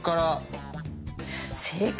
正解！